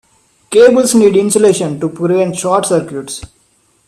Cables need insulation to prevent short circuits.